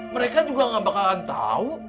mereka juga gak bakalan tahu